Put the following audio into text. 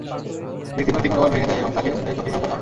ব্যক্তির নৈতিক মনোবল ভেঙে দেয় এবং তাকে অন্যের চোখে হেয় করা হয়।